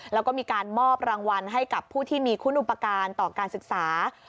แล้วก็มีการมอบรางวัลให้กับผู้ที่มีคุณอุปการณ์ต่อการศึกษา